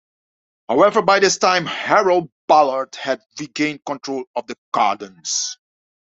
However, by this time Harold Ballard had regained control of the Gardens.